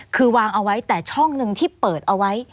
คือวางเอาไว้แต่ช่องหนึ่งที่เปิดเอาไว้